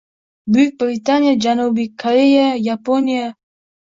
Buyuk Britaniya, Janubiy Koreya, Yaponiya